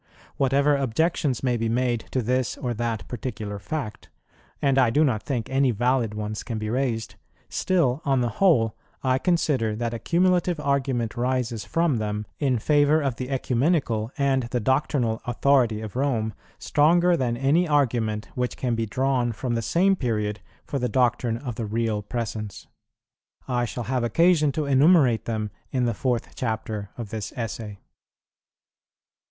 Whatever objections may be made to this or that particular fact, and I do not think any valid ones can be raised, still, on the whole, I consider that a cumulative argument rises from them in favour of the ecumenical and the doctrinal authority of Rome, stronger than any argument which can be drawn from the same period for the doctrine of the Real Presence. I shall have occasion to enumerate them in the fourth chapter of this Essay.